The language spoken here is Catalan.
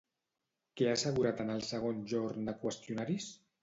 Què ha assegurat en el segon jorn de qüestionaris?